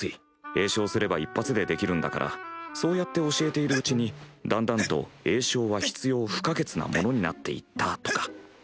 詠唱すれば一発でできるんだからそうやって教えているうちにだんだんと詠唱は必要不可欠なものになっていったとか。